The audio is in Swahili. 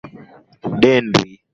Au maskini ndiye hapewi nafaka?